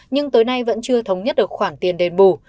nhưng tới nay vẫn chưa thống nhất được khoản tiền đền bù